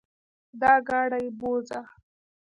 دا ګاډې بوځه.